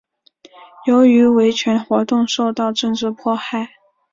由于维权活动受到政治迫害。